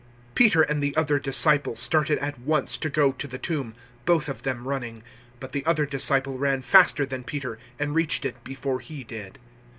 020:003 Peter and the other disciple started at once to go to the tomb, both of them running, 020:004 but the other disciple ran faster than Peter and reached it before he did.